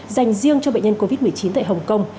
dành riêng cho bệnh nhân covid một mươi chín tại hồng kông